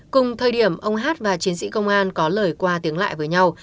cùng thời điểm ông hát và chiến sĩ công an có lời qua tiếng lại với nhau